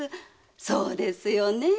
そうですよねえ。